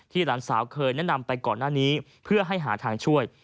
หลานสาวเคยแนะนำไปก่อนหน้านี้เพื่อให้หาทางช่วย